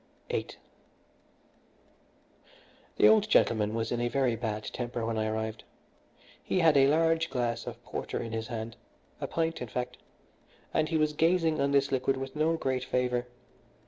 VIII The old gentleman was in a very bad temper when I arrived. He had a large glass of porter in his hand a pint, in fact and he was gazing on this liquid with no great favour.